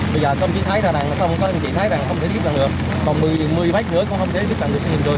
bây giờ tôi chỉ thấy rằng không thể tiếp cận được còn một mươi bách nữa cũng không thể tiếp cận được hiện trường